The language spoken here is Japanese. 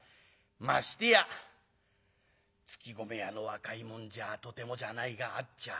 ましてや搗米屋の若い者じゃとてもじゃないが会っちゃもらえん。